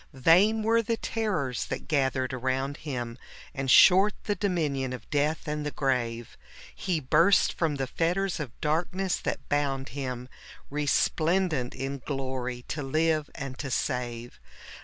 Vain were the terrors that gathered around Him, And short the dominion of death and the grave \ He burst from the fetters of darkness that bound Him, Resplendent in glory, to live and to save.